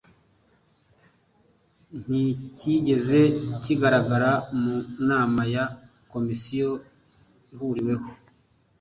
nticyigeze kigaragara mu nama ya komisiyo ihuriweho